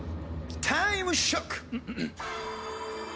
タイムショック！